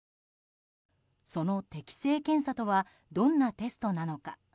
その適性検査とはどんなテストなのか。